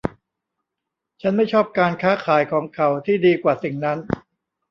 ฉันไม่ชอบการค้าขายของเขาที่ดีกว่าสิ่งนั้น